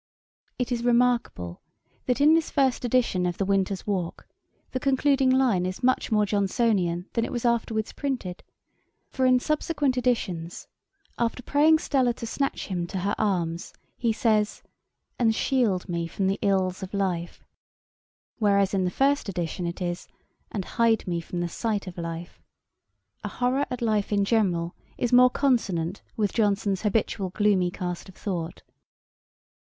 It is remarkable, that in this first edition of The Winters Walk, the concluding line is much more Johnsonian than it was afterwards printed; for in subsequent editions, after praying Stella to 'snatch him to her arms,' he says, 'And shield me from the ills of life.' [Page 180: Verses on Lord Lovat. A.D. 1747.] Whereas in the first edition it is 'And hide me from the sight of life.' A horrour at life in general is more consonant with Johnson's habitual gloomy cast of thought.